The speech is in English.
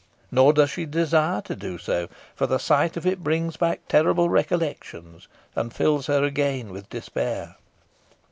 Nor does she desire to do so, for the sight of it brings back terrible recollections, and fills her again with despair.